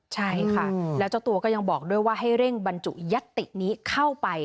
ใช่ค่ะแล้วเจ้าตัวก็ยังบอกด้วยว่าให้เร่งบรรจุยัตตินี้เข้าไป